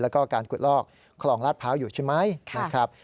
แล้วก็การขุดลอกคลองลาดพร้าวอยู่ใช่ไหมนะครับ